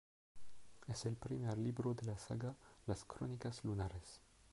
Es el primer libro de la saga Las Crónicas Lunares.